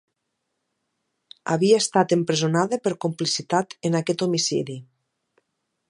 Havia estat empresonada per complicitat en aquest homicidi.